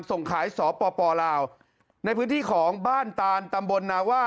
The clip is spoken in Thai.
ส่งขายสปลาวในพื้นที่ของบ้านตานตำบลนาว่า